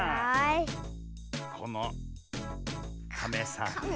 このカメさんと。